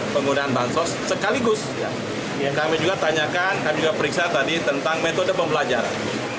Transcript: penggunaan tansos sekaligus yang kami juga tanyakan kami periksa tadi tentang metode pembelajaran